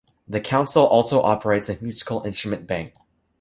The Council also operates a Musical Instrument Bank.